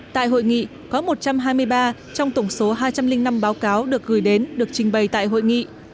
tại hội nghị có một trăm hai mươi ba trong tổng số hai trăm linh năm báo cáo được gửi đến được trình bày tại hội nghị